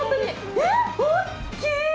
えっ、大きい！